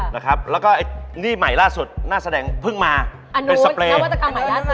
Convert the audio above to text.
แล้วก็อันนี้ใหม่ล่าสุดน่าแสดงเพิ่งมาเป็นสเปรย์